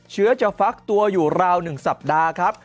เชื้อจะฟักตัวอยู่ราว๑สัปดาห์ครับ